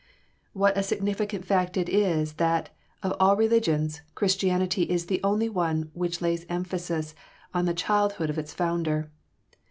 What a significant fact it is that, of all religions, Christianity is the only one which lays emphasis on the childhood of its Founder!